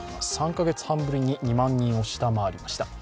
３カ月半ぶりに２万人を下回りました。